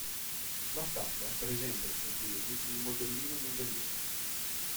La statua presenta ai suoi piedi il modellino di un veliero.